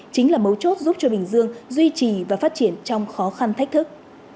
chính là mấu chốt giúp cho bình dương duy trì và phát triển trong khó khăn thách thức